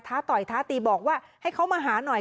ต่อยท้าตีบอกว่าให้เขามาหาหน่อย